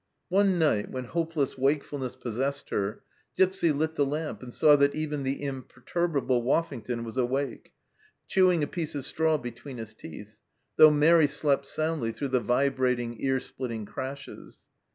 One night, when hopeless wakefulness possessed her, Gipsy lit the lamp, and saw that even the imperturbable Woffington was awake, chewing a piece of straw between his teeth, though Mairi slept soundly through the vibrating, ear splitting crashes.